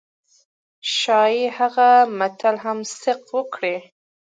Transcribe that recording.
ښايي هغه متل هم صدق وکړي.